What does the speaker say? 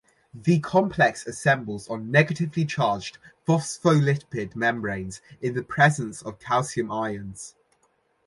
The complex assembles on negatively charged phospholipid membranes in the presence of calcium ions.